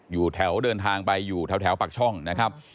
อยู่แถวเดินทางไปอยู่แถวปากช่องนะครับ